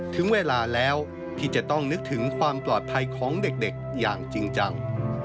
ถึงเวลาแล้วที่จะต้องนึกถึงความปลอดภัยของเด็กอย่างจริงจัง